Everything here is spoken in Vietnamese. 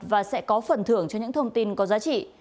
và sẽ có phần thưởng cho những thông tin có giá trị